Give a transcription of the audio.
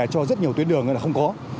cho rất nhiều tuyến đường là không có